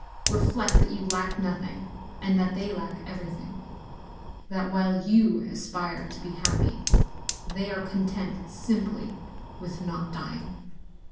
Reflect that you lack nothing, and that they lack everything; that while you aspire to be happy, they are THE POOR 55 content simply with not dying.